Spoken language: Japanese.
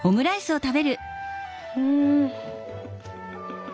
うん。